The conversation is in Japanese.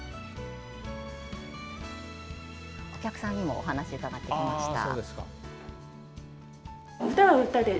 お客さんにもお話を伺ってきました。